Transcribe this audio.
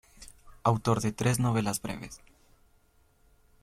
Autor de tres novelas breves.